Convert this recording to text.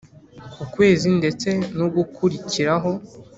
ku kwezi ndetse nu gukurikiraho